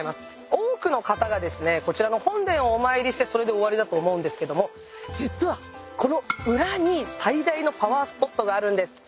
多くの方がですねこちらの本殿をお参りしてそれで終わりだと思うんですけども実はこの裏に最大のパワースポットがあるんです。